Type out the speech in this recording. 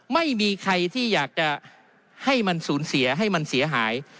ไม่มีใครที่อยากจะให้มันสูญเสียให้มันเสียหาย